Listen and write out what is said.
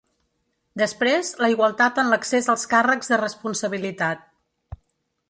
Després, la igualtat en l’accés als càrrecs de responsabilitat.